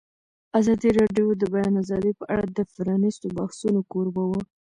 ازادي راډیو د د بیان آزادي په اړه د پرانیستو بحثونو کوربه وه.